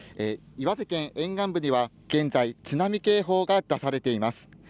岩手県沿岸部では現在、津波警報が出されています。